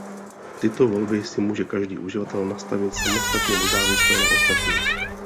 Tyto volby si může každý uživatel nastavit samostatně nezávisle na ostatních.